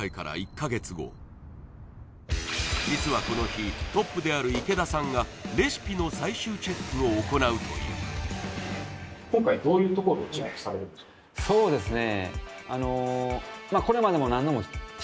実はこの日トップである池田さんがレシピの最終チェックを行うというそうですね